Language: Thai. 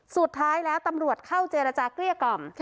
สุดท้ายแล้วตำรวจเข้าเจรจาเกลี้ยกล่อม